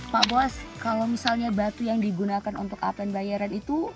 pak bos kalau misalnya batu yang digunakan untuk apen bayaren itu